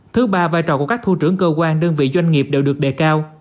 thứ ba vai trò của các thủ trưởng cơ quan đơn vị doanh nghiệp đều được đề cao